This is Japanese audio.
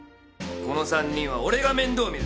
「この３人は俺が面倒見る」